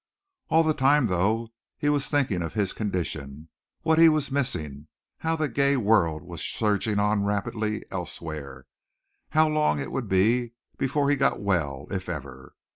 All the time though he was thinking of his condition, what he was missing, how the gay world was surging on rapidly elsewhere, how long it would be before he got well, if ever.